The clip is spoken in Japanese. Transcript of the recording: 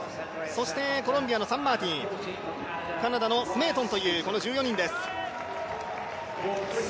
そしてコロンビアのサン・マーティンカナダのスメートンというこの１４人です。